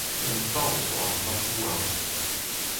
Un taos war ar marc'hoù-houarn.